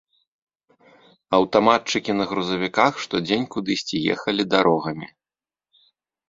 Аўтаматчыкі на грузавіках штодзень кудысьці ехалі дарогамі.